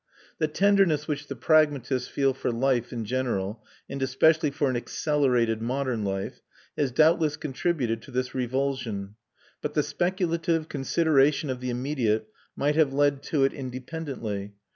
The tenderness which the pragmatists feel for life in general, and especially for an accelerated modern life, has doubtless contributed to this revulsion, but the speculative consideration of the immediate might have led to it independently.